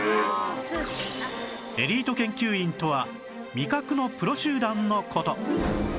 エリート研究員とは味覚のプロ集団の事